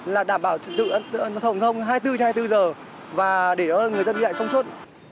là đảm bảo trực tượng an toàn thông hai mươi bốn h hai mươi bốn h và để cho người dân đi lại thông suốt